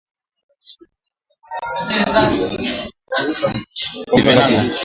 Kuanguka ghafla